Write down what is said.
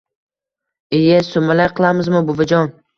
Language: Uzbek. Iye, sumalak qilamizmi buvijon?